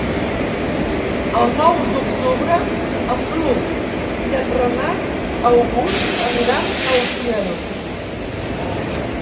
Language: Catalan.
El nou d'octubre en Bru i en Renat August aniran a Utiel.